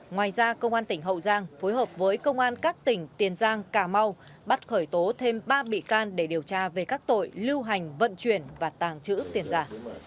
ngoài ra công an tỉnh hậu giang phối hợp với công an các tỉnh tiền giang cà mau bắt khởi tố thêm ba bị can để điều tra về các tội lưu hành vận chuyển và tàng trữ tiền giả